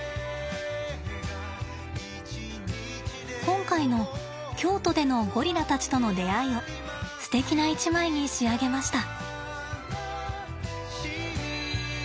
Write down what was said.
今回の京都でのゴリラたちとの出会いをすてきな一枚に仕上げました。